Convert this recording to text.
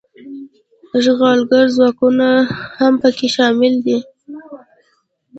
اشغالګر ځواکونه هم پکې شامل دي.